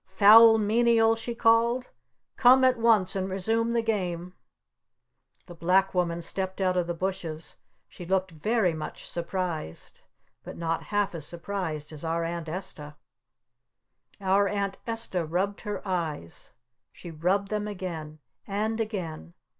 "Foul Menial!" she called. "Come at once and resume the Game!" The Black Woman stepped out of the bushes. She looked very much surprised. But not half as surprised as our Aunt Esta. Our Aunt Esta rubbed her eyes! She rubbed them again! And again!